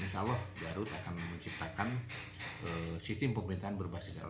insya allah garut akan menciptakan sistem pemerintahan berbasis elektronik